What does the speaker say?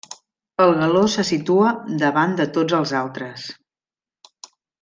El galó se situa davant de tots els altres.